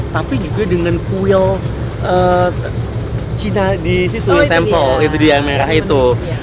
tapi juga dengan kuil cina di situ di ang merah itu